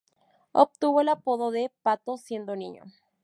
Obtuvo el apodo de "Pato" siendo niño.